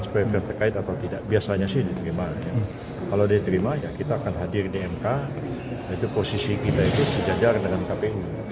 pihak terkait atau tidak biasanya sih diterima kalau diterima ya kita akan hadir di mk itu posisi kita itu sejajar dengan kpu